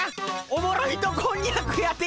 おもろ糸こんにゃくやて！